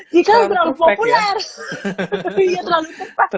dia kan terlalu populer